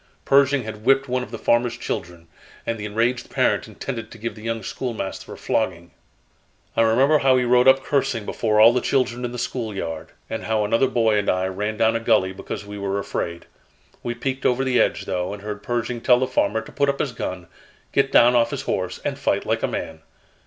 Pershing had whipped one of the farmer's children, and the enraged parent intended to give the young schoolmaster a flogging. "I remember how he rode up cursing before all the children in the schoolyard, and how another boy and I ran down a gully because we were afraid. We peeked over the edge, though, and heard Pershing tell the farmer to put up his gun, get down off his horse, and fight like a man.